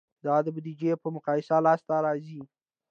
دا د بودیجې په مقایسه لاسته راځي.